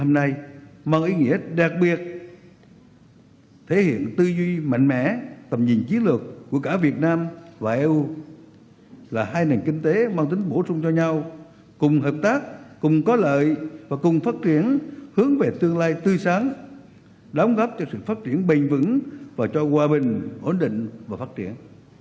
điều này mang ý nghĩa đặc biệt thể hiện tư duy mạnh mẽ tầm nhìn chí luật của cả việt nam và eu là hai nền kinh tế mang tính bổ sung cho nhau cùng hợp tác cùng có lợi và cùng phát triển hướng về tương lai tươi sáng đóng góp cho sự phát triển bình vững và cho hòa bình ổn định và phát triển